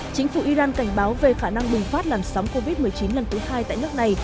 chính phủ iran cảnh báo về khả năng bùng phát làn sóng covid một mươi chín lần thứ hai tại nước này